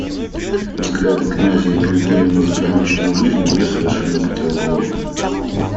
Взгляды князя и княгини на заграничную жизнь были совершенно противоположные.